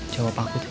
jawab aku tin